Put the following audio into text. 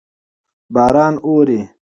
باران اوري.